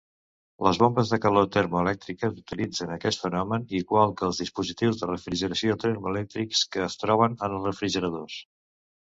Les bombes de calor termoelèctriques utilitzen aquest fenomen, igual que els dispositius de refrigeració termoelèctrics que es troben en els refrigeradors.